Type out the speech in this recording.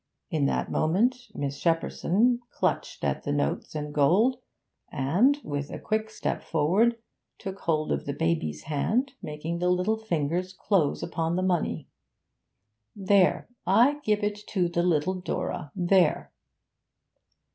In that moment Miss Shepperson clutched at the notes and gold, and, with a quick step forward, took hold of the baby's hand, making the little fingers close upon the money. 'There! I give it to little Dora there!'